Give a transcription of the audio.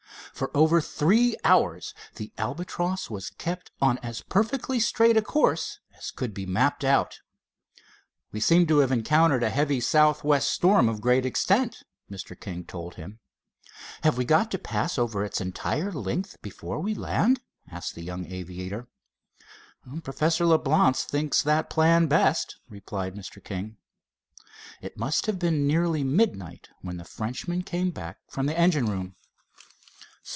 For over three hours the Albatross was kept on as perfectly straight a course as could be mapped out. "We seem to have encountered a heavy southwest storm of great extent," Mr. King told him. "Have we got to pass over its entire length before we land?" asked the young aviator. "Professor Leblance thinks that plan best," replied Mr. King. It must have been nearly midnight when the Frenchman came back from the engine room.